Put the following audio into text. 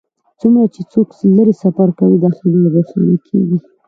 څومره چې څوک لرې سفر کوي دا خبره روښانه کیږي